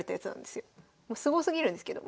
すごすぎるんですけど。